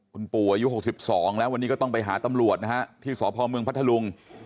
คุณปู่อายุ๖๒แล้ววันนี้ก็ต้องไปหาตำรวจนะฮะที่สพเมืองพัทธลุง